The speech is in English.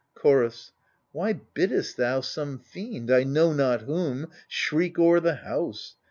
Chorus Why biddest thou some fiend, I know not whom. Shriek o'er the house